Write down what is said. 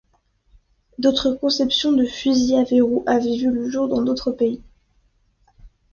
D'autres conceptions de fusil à verrou avaient vu le jour dans d'autres pays.